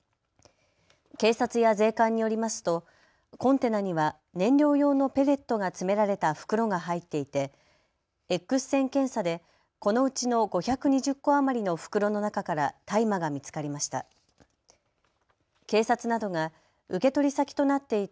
警察や税関によりますとコンテナには燃料用のペレットが詰められた袋が入っていてＸ線検査でこのうちの５２０個余りの袋の中から大麻が見つかりました。